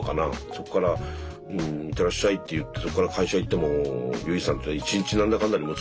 そこから「いってらっしゃい」って言ってそこから会社行ってもゆいさんというのは１日何だかんだで息子さんのことが心配なんでしょうね。